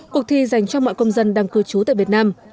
cuộc thi dành cho mọi công dân đang cư trú tại việt nam